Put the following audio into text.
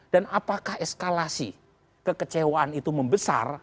apakah eskalasi kekecewaan itu membesar